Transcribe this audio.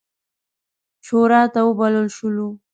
شوراته وبلل شولو.